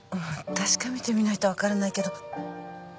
確かめてみないと分からないけどたぶん。